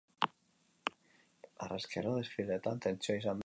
Harrezkero desfileetan tentsioa izan da nagusi.